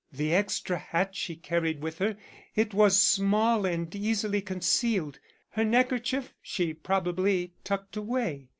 The extra hat she carried with her; it was small and easily concealed. Her neckerchief she probably tucked away.